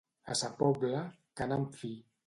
A sa Pobla, cànem fi.